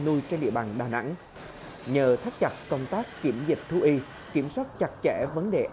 nuôi trên địa bàn đà nẵng nhờ thắt chặt công tác kiểm dịch thú y kiểm soát chặt chẽ vấn đề